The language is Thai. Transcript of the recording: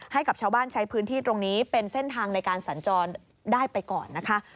ให้กับชาวบ้านใช้พื้นที่ตรงนี้เป็นเส้นทางในการสัญจรได้ไปก่อนนะคะ